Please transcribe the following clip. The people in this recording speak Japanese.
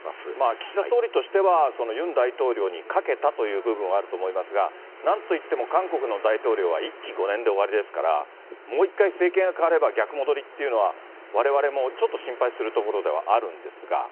岸田総理としては、ユン大統領にかけたという部分もあると思いますが、なんといっても韓国の大統領は１期５年で終わりですから、もう一回政権が代われば逆戻りっていうのは、われわれもちょっと心配するところではあるんですが。